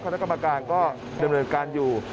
คณะกรรมการก็ดำเนินการอยู่